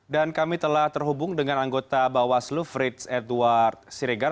dan kami telah terhubung dengan anggota bawaslu frits edward siregar